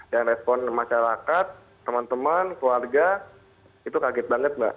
dan respon masyarakat teman teman keluarga itu kaget banget mbak